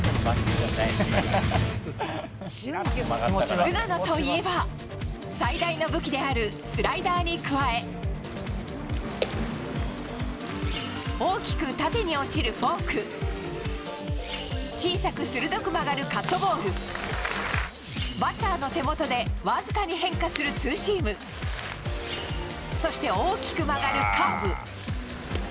菅野といえば、最大の武器であるスライダーに加え大きく縦に落ちるフォーク小さく鋭く曲がるカットボールバッターの手元でわずかに変化するツーシームそして、大きく曲がるカーブ。